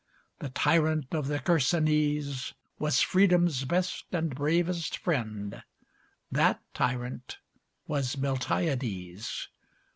The tyrant of the Chersonese Was freedom's best and bravest friend; That tyrant was Miltiades!